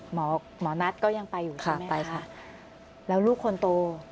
หมอนัทก็ยังไปอยู่ใช่ไหมคะค่ะไปค่ะแล้วลูกคนโต